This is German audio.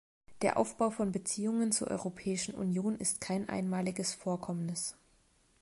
Der Aufbau von Beziehungen zur Europäischen Union ist kein einmaliges Vorkommnis.